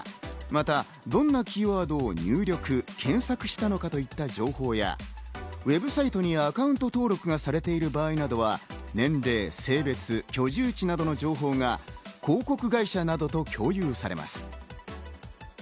またどんなキーワードを入力、検索したのかといった情報や、ＷＥＢサイトにアカウント登録されている場合などは年齢、性別、居住地などの情報が広告会社などと共有されます。